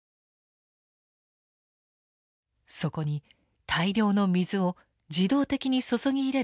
そこに大量の水を自動的に注ぎ入れる仕組みです。